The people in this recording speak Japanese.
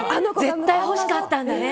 絶対欲しかったんだね。